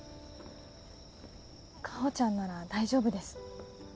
夏帆ちゃんなら大丈夫です。